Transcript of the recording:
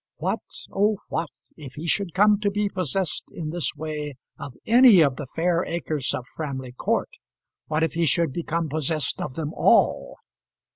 What oh! what if he should come to be possessed in this way of any of the fair acres of Framley Court? What if he should become possessed of them all?